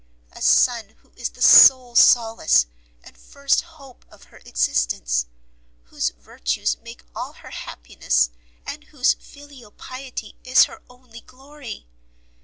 A son who is the sole solace and first hope of her existence, whose virtues make all her happiness, and whose filial piety is her only glory!